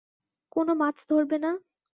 কোনো মাছ ধরবে না?